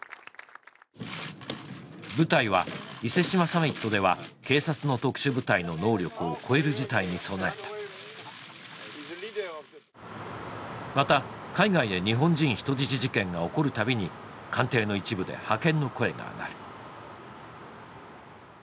部隊は伊勢志摩サミットでは警察の特殊部隊の能力を超える事態に備えたまた海外で日本人人質事件が起こるたびに官邸の一部で派遣の声があがる